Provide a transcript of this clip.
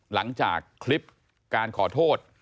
หลังจากคลิปการขอโทษ